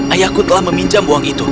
ayahku telah meminjam uang itu